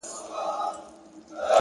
که اوس هم پر افغانستان